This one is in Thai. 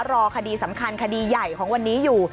รอคดีสำคัญคดีใหญ่ของวันนี้อยู่